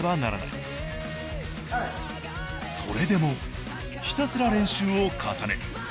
それでもひたすら練習を重ね